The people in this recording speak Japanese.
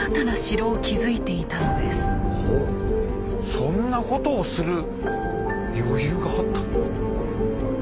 そんなことをする余裕があったの？